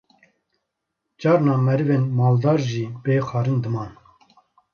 Carna merivên maldar jî bê xwarin diman